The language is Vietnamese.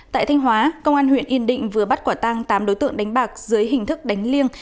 tại thanh hóa công an huyện yên định vừa bắt quả tang tám đối tượng đánh bạc dưới hình thức đánh liêng